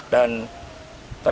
dan terlalu banyak